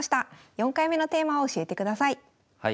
４回目のテーマを教えてください。